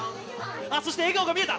そして、笑顔が見えた。